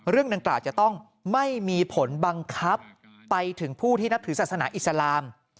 เรื่องดังกล่าวจะต้องไม่มีผลบังคับไปถึงผู้ที่นับถือศาสนาอิสลาม